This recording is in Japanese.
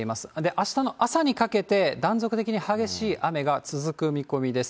あしたの朝にかけて、断続的に激しい雨が続く見込みです。